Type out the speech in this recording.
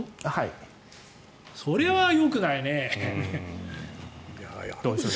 それはよくないね。